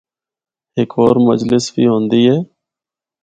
ہک ہور مجلس وی ہوندے اے۔